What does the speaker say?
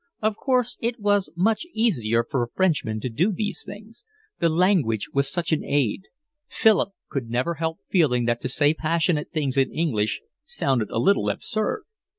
Of course it was much easier for Frenchmen to do these things; the language was such an aid; Philip could never help feeling that to say passionate things in English sounded a little absurd.